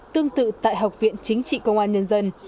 tương tự tại học viện chính trị công an nhân dân